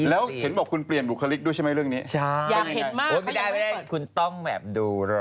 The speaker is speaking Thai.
เล่นเป็นผู้หญิงเล่นเป็นเจ้าของบาร์